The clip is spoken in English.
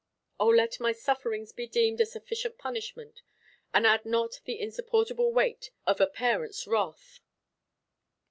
O, let my sufferings be deemed a sufficient punishment, and add not the insupportable weight of a parent's wrath.